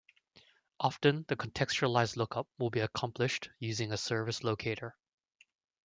Often the contextualized lookup will be accomplished using a service locator.